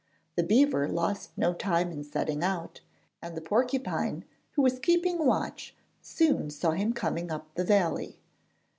The beaver lost no time in setting out, and the porcupine who was keeping watch soon saw him coming up the valley.